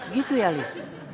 gitu ya lis